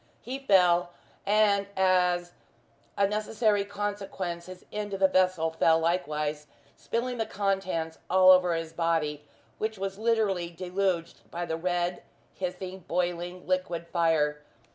He fell, and as a necessary consequence his end of the vessel fell likewise, spilling the contents all over his body, which was literally deluged by the red, hissing, boiling liquid fire.